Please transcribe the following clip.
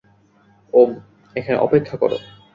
ওম, এখানে অপেক্ষা কর।